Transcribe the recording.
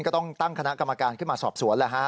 ก็ต้องตั้งคณะกรรมการขึ้นมาสอบสวนแล้วฮะ